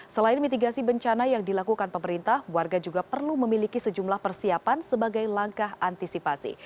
selain mitigasi bencana yang dilakukan pemerintah warga juga perlu memiliki sejumlah persiapan sebagai langkah antisipasi